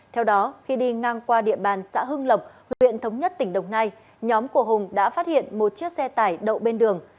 theo đó khi đi ngang qua địa bàn xã hưng lộc huyện thống nhất tỉnh đồng nai nhóm của hùng đã phát hiện một chiếc xe tải đậu bên đường